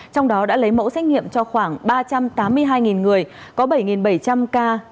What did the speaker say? trong đó đã lấy mẫu xét nghiệm cho khoảng ba trăm tám mươi hai người có bảy bảy trăm linh ca